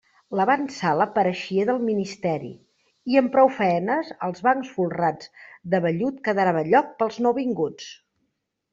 L'avantsala pareixia de ministeri, i amb prou faenes als bancs folrats de vellut quedava lloc per als nouvinguts.